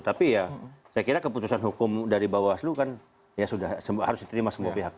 tapi ya saya kira keputusan hukum dari bawaslu kan ya sudah harus diterima semua pihak